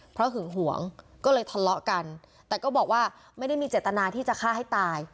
เพราะหึงหวงก็เลยทะเลาะกันแต่ก็บอกว่าไม่ได้มีเจตนาที่จะฆ่าให้ตาย